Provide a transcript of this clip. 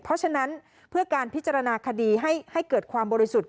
เพราะฉะนั้นเพื่อการพิจารณาคดีให้เกิดความบริสุทธิ์